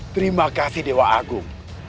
terima kasih dewa agung